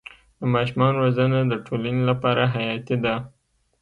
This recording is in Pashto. د ماشومانو روزنه د ټولنې لپاره حیاتي ده.